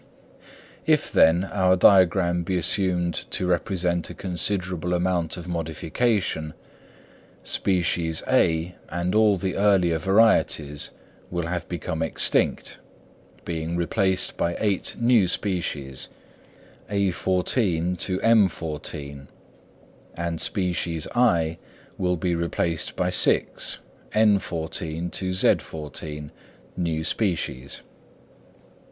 If, then, our diagram be assumed to represent a considerable amount of modification, species (A) and all the earlier varieties will have become extinct, being replaced by eight new species (_a_14 to _m_14); and species (I) will be replaced by six (_n_14 to _z_14) new species.